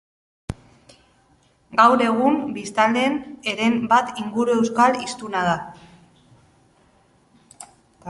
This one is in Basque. Gaur egun, biztanleen heren bat inguru euskal hiztuna da.